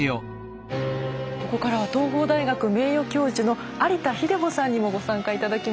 ここからは東邦大学名誉教授の有田秀穂さんにもご参加頂きます。